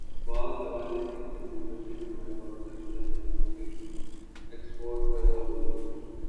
was لگانے کی technology ہمارے پاکستانی سیاستدا نوں کی ایکسپورٹ کردہ ہوگی